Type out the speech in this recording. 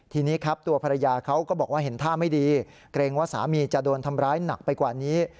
ทีนี้ครับตัวภรรยาเขาก็บอกว่าเห็นท่าไม่ดีเกรงว่าสามีจะโดนทำร้ายหนักไปกว่านี้